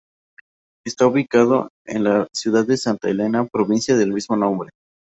Está ubicado en la ciudad de Santa Elena, provincia del mismo nombre.